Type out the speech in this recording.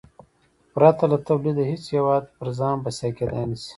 پرته له تولیده هېڅ هېواد پر ځان بسیا کېدای نه شي.